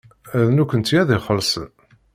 D nekkenti ad ixellṣen.